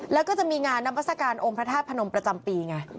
แล้วก็จะมีงานนามัศกาลองค์พระธาตุพนมประจำปีไง